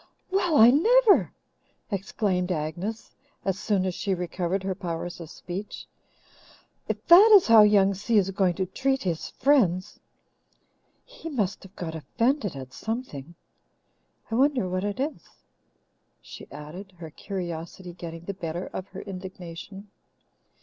"Well, I never!" exclaimed Agnes, as soon as she recovered her powers of speech. "If that is how Young Si is going to treat his friends! He must have got offended at something. I wonder what it is," she added, her curiosity getting the better of her indignation.